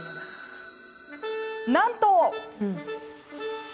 なんと。